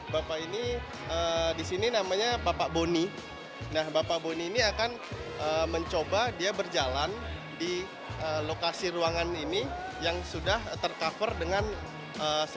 bapak ini disini namanya bapak boni nah bapak boni ini akan mencoba dia berjalan di lokasi ruangan ini yang sudah tercover dengan sengaja